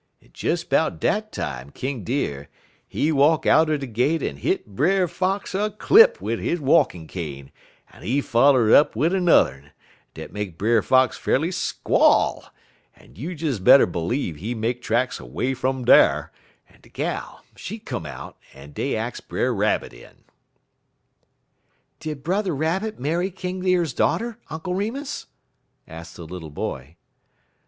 _' En des 'bout dat time King Deer, he walk outer de gate en hit Brer Fox a clip wid his walkin' cane, en he foller it up wid 'n'er'n, dat make Brer Fox fa'rly squall, en you des better b'lieve he make tracks 'way fum dar, en de gal she come out, en dey ax Brer Rabbit in." "Did Brother Rabbit marry King Deer's daughter, Uncle Remus?" asked the little boy.